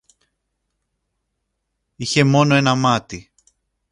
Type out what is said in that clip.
Είχε μόνο ένα μάτι